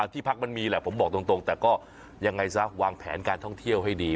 ที่พักมันมีแหละผมบอกตรงแต่ก็ยังไงซะวางแผนการท่องเที่ยวให้ดี